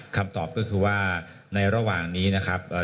คำตอบก็คือว่าในระหว่างนี้นะครับ